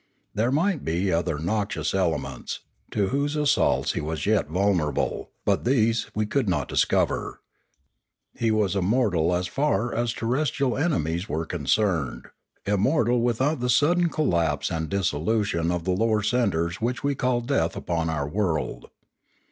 There might be other noxious elements, to whose assaults he was yet vulnerable; but these we could not discover. He was immortal as far as terrestrial enemies were concerned, immortal with out the sudden collapse and dissolution of the lower centres which we call death upon our world.